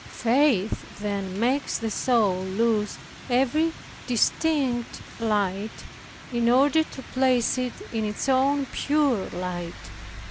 Faith then makes the soul lose every distinct light, in order to place it in its own pure light.